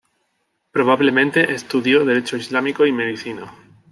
Probablemente estudió derecho islámico y medicina.